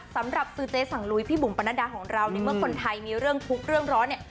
สำหรับซื้อเจ๊สังลุยพี่บุ๋มปนัดดาของเราในเมื่อคนไทยมีเรื่องทุกข์เรื่องร้อนเนี่ย